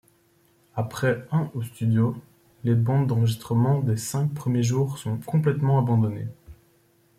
Après un au studio, les bandes d'enregistrements des cinq premiers jours sont complètement abandonnés.